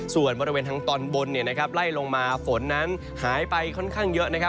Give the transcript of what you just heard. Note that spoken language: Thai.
ส่วนบริเวณทางตอนบนไล่ลงมาฝนนั้นหายไปค่อนข้างเยอะ